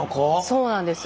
そうなんです。